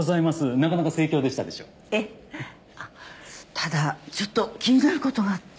ただちょっと気になることがあって。